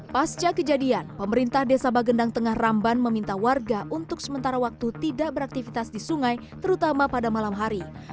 pasca kejadian pemerintah desa bagendang tengah ramban meminta warga untuk sementara waktu tidak beraktivitas di sungai terutama pada malam hari